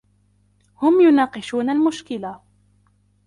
هم يناقشون المشكلة.